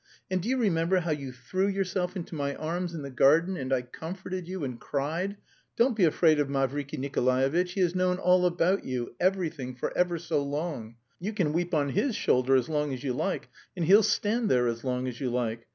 And do you remember how you threw yourself into my arms in the garden and I comforted you and cried don't be afraid of Mavriky Nikolaevitch; he has known all about you, everything, for ever so long; you can weep on his shoulder as long as you like, and he'll stand there as long as you like!